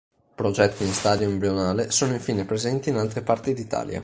Progetti in stadio embrionale sono infine presenti in altre parti d'Italia.